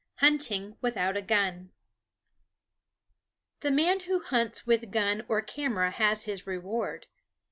HUNTING WITHOUT A GUN The man who hunts with gun or camera has his reward.